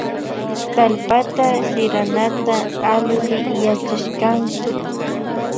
Tallpata siranata allimi yachashkanki